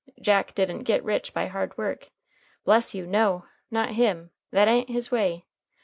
Jack didn't git rich by hard work. Bless you, no! Not him. That a'n't his way.